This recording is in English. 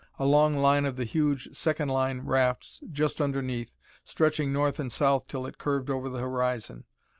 A long line of the huge second line rafts just underneath, stretching north and south till it curved over the horizon.